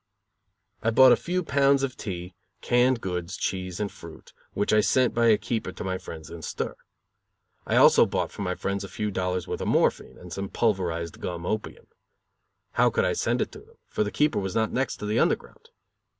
I bought a few pounds of tea, canned goods, cheese and fruit, which I sent by a keeper to my friends in stir. I also bought for my friends a few dollars' worth of morphine and some pulverized gum opium. How could I send it to them, for the keeper was not "next" to the Underground?